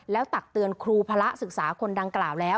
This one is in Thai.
แล้วตักเตือนครูพระศึกษาคนดังกล่าวแล้ว